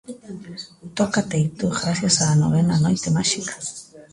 Toca teito grazas á novena noite máxica.